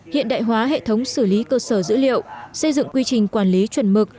hiện đại hóa hệ thống xử lý cơ sở dữ liệu xây dựng quy trình quản lý chuẩn mực